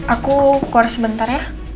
aku keluar sebentar ya